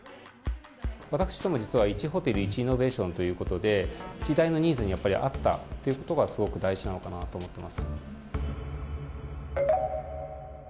私ども実は１ホテル１イノベーションということで時代のニーズに合ったことがすごく大事なのかなと思っています。